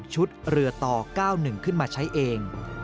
เรือต่อ๙๑ขึ้นมาใช้เอง